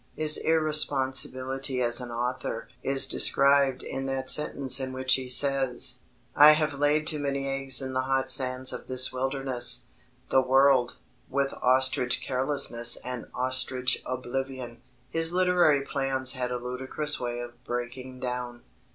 His irresponsibility as an author is described in that sentence in which he says: "I have laid too many eggs in the hot sands of this wilderness, the world, with ostrich carelessness and ostrich oblivion." His literary plans had a ludicrous way of breaking down.